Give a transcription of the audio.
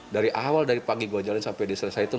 dari awal dari pagi gue jalanin sampai diselesai itu